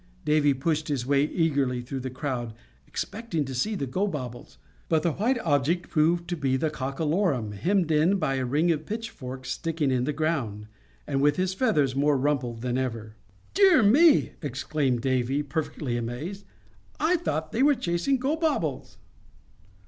Davy pushed his way eagerly through the crowd, expecting to see Gobobbles; but the white object proved to be the Cockalorum hemmed in by a ring of pitchforks sticking in the ground, and with his feathers more rumpled than ever. "Dear me!" exclaimed Davy, perfectly amazed, "I thought we were chasing Gobobbles!"